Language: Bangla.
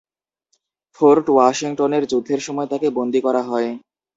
ফোর্ট ওয়াশিংটনের যুদ্ধের সময় তাকে বন্দী করা হয়।